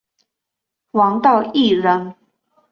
王道义人。